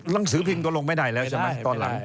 หนังสือพิมพ์ก็ลงไม่ได้แล้วใช่ไหมตอนหลัง